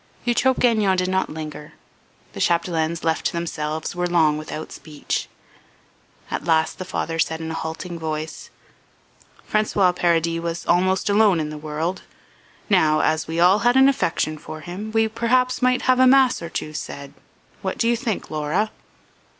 Eutrope Gagnon did not linger. The Chapdelaines, left to themselves, were long without speech. At last the father said in a halting voice: "François Paradis was almost alone in the world; now, as we all had an affection for him, we perhaps might have a mass or two said. What do you think, Laura?"